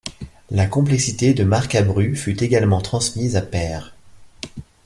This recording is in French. La complexité de Marcabru fut également transmise à Peire.